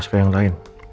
suka yang lain